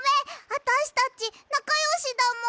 あたしたちなかよしだもん！